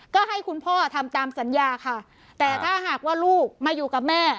ก็ให้คุณพ่อทำตามสัญญาค่ะแต่ถ้าหากว่าลูกมาอยู่กับแม่